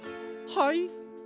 はい？